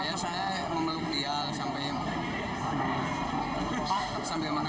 ya saya memeluk dia sampai mana